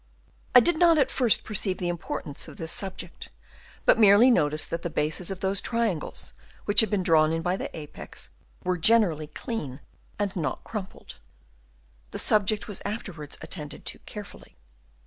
I did not at first perceive the importance of this subject, but merely noticed that the bases of those tri angles which had been drawn in by the apex, were generally clean and not crumpled. The subject was afterwards attended to carefully.